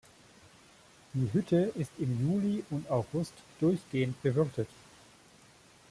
Die Hütte ist im Juli und August durchgehend bewirtet.